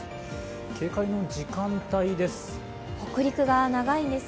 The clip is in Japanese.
警戒の時間帯です。